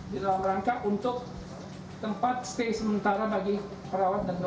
di dalam rangka untuk tempat stay sementara bagi perawat dan dokter